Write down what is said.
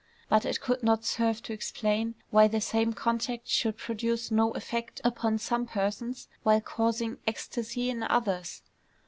But it could not serve to explain why the same contact should produce no effect upon some persons, while causing ecstasy in others.